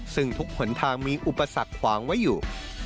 ซึ่งทุกหนทางมีอุปสรรคขวางไว้อยู่